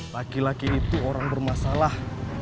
laki laki itu orang bermasalah